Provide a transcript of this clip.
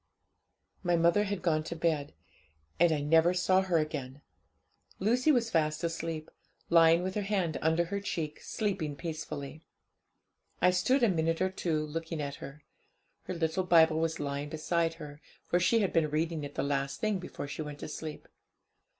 'My mother had gone to bed; and I never saw her again! Lucy was fast asleep, lying with her hand under her cheek, sleeping peacefully. I stood a minute or two looking at her. Her little Bible was lying beside her, for she had been reading it the last thing before she went to sleep.